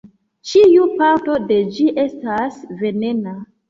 Ĉiu parto de ĝi estas venena.